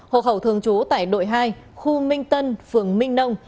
hộ khẩu thường chú tại đội hai khu minh tân phường minh nông